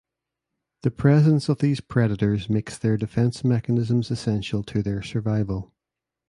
The presence of these predators makes their defense mechanisms essential to their survival.